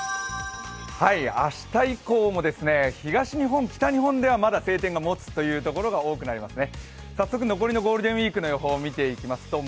明日以降も東日本北日本ではまだ晴天がもつという所が多くなりますね。